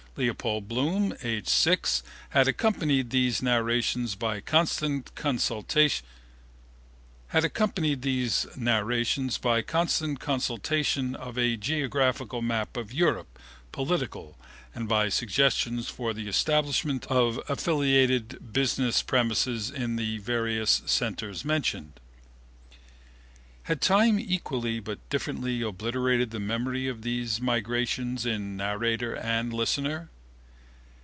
Leopold Bloom (aged 6) had accompanied these narrations by constant consultation of a geographical map of Europe (political) and by suggestions for the establishment of affiliated business premises in the various centres mentioned. Had time equally but differently obliterated the memory of these migrations in narrator and listener?